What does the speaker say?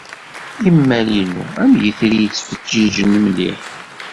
Imal-inu am yitri yettfeǧǧiǧen mliḥ.